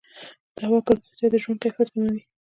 د هوا ککړتیا د ژوند کیفیت کموي.